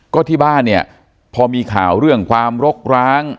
ก็ที่บ้านเนี่ยพอมีข่าวเรื่องความรกร้าง